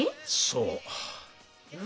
そう。